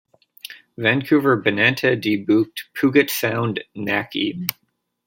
Vancouver benannte die Bucht Puget Sound nach ihm.